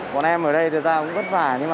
còn em ở đây thực ra cũng vất vả